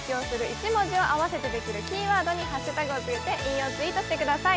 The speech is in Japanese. １文字を合わせてできるキーワードにハッシュタグをつけて引用ツイートしてください